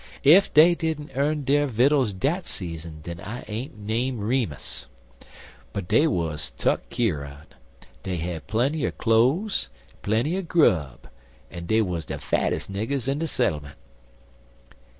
Ef dey didn't earn der vittles dat season den I ain't name Remus. But dey wuz tuk keer un. Dey had plenty er cloze en plenty er grub, en dey wuz de fattes' niggers in de settlement.